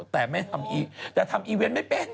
แต่ทำอีเวนไม่เป็น